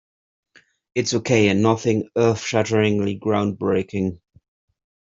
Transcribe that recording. It's ok, nothing earth-shatteringly groundbreaking.